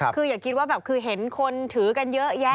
คืออย่าคิดว่าแบบคือเห็นคนถือกันเยอะแยะ